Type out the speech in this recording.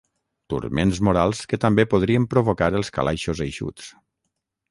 Turments morals que també podrien provocar els calaixos eixuts.